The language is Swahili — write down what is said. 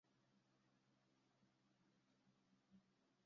Kwa kuwa Waisraeli walikosa manabii kwa muda mrefu na walitamani sana ukombozi